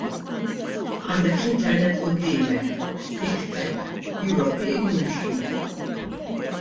Għandek l-Internet quddiemek: ikteb " European Youth Week "!